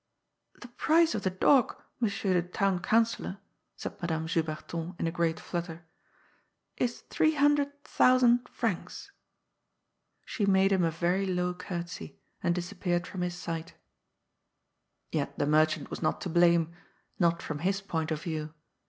" The price of the dog, Monsieur the Town Councillor," said Madame Juberton in a great fiutter, " is three hundred thousand francs." She made him a very low curtsey, and disappeared from his sight. 4 60 GOD'S POOL. Yet the merchant was not to blame — not from his point of view.